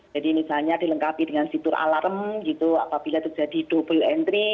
jadi misalnya dilengkapi dengan situr alarm gitu apabila terjadi double entry